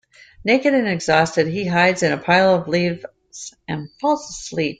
Naked and exhausted, he hides in a pile of leaves and falls asleep.